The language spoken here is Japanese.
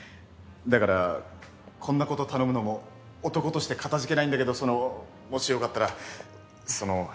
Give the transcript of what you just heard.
だからこんなこと頼むのも男としてかたじけないんだけどそのもしよかったらその。